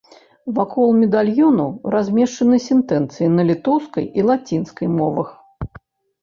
Вакол медальёнаў размешчаны сентэнцыі на літоўскай і лацінскай мовах.